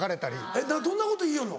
えっどんなこと言いよるの？